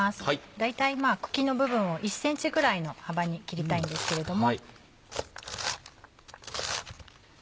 大体茎の部分を１ｃｍぐらいの幅に切りたいんですけれども。